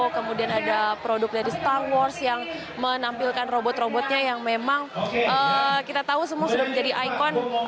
kemudian ada produk dari star wars yang menampilkan robot robotnya yang memang kita tahu semua sudah menjadi ikon